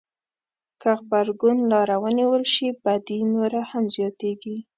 که غبرګون لاره ونیول شي بدي نوره هم زياتېږي.